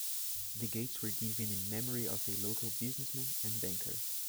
The gates were given in memory of a local businessman and banker.